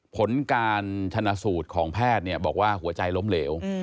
ผลการชนะสูตรของแพทย์บอกว่าหัวใจล้มเหลว